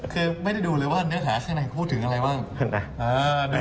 คือไม่ได้ดูเลยว่าเนื้อหาข้างในพูดถึงอะไรบ้าง